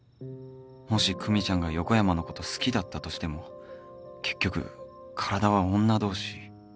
もし久美ちゃんが横山のこと好きだったとしても結局体は女同士